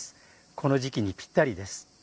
この時期にぴったりです。